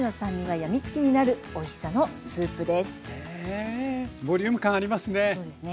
へえボリューム感ありますね。